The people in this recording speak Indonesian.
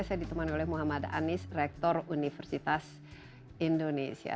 saya ditemani oleh muhammad anies rektor universitas indonesia